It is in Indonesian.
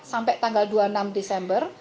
sampai tanggal dua puluh enam desember